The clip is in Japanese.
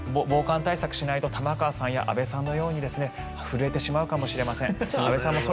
防寒対策をしないと玉川さんや安部さんのように震えてしまうかもしれません。